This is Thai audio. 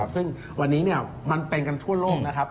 ซึ่งวันนี้มันเป็นกันทั่วโลกนะครับ